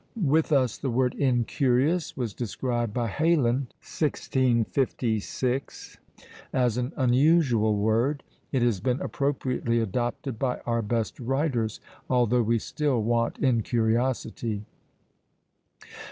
With us the word incurious was described by Heylin, 1656, as an unusual word; it has been appropriately adopted by our best writers, although we still want incuriosity.